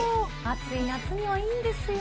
暑い夏にいいんですよ。